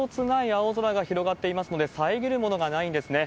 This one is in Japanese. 青空が広がっていますので、遮るものがないんですね。